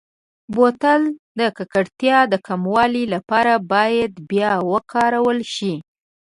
بوتل د ککړتیا د کمولو لپاره باید بیا وکارول شي.